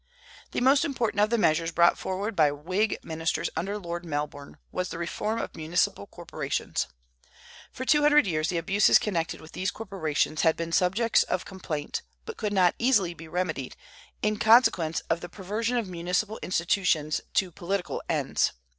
The most important of the measures brought forward by Whig ministers under Lord Melbourne was the reform of municipal corporations. For two hundred years the abuses connected with these corporations had been subjects of complaint, but could not easily be remedied, in consequence of the perversion of municipal institutions to political ends.